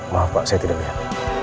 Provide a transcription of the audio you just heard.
maaf pak saya tidak lihat